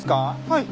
はい。